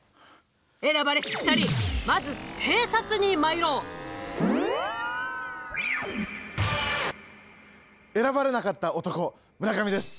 選ばれし２人まず偵察に参ろう。選ばれなかった男村上です。